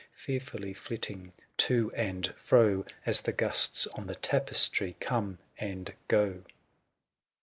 Fearfully flitting to and fro, 581 As the gusts on the tapestry come and go.